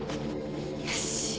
よし。